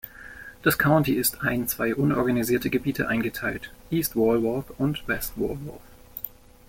Das County ist ein zwei unorganisierte Gebiete eingeteilt: East Walworth und West Walworth.